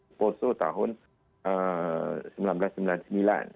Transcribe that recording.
ketua tua program ini adalah emocional per dasarnya bila akan di